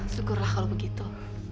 syukurlah kalau begitu